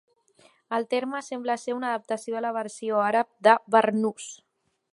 El terme sembla ser una adaptació de la versió àrab de "barnús".